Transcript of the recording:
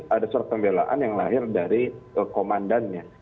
ada surat pembelaan yang lahir dari komandannya